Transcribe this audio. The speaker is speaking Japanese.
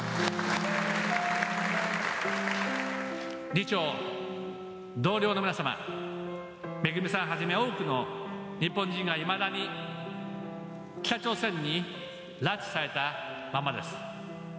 議長、同僚の皆様めぐみさんをはじめ多くの日本人がいまだに北朝鮮に拉致されたままです。